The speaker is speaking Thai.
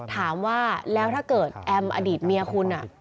ถามว่าแล้วถ้าเกิดแอมอดีตเมียคุณ